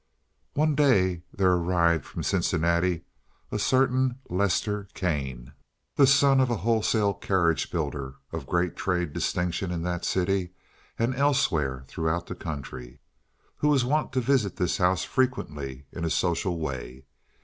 One day there arrived from Cincinnati a certain Lester Kane, the son of a wholesale carriage builder of great trade distinction in that city and elsewhere throughout the country, who was wont to visit this house frequently in a social way.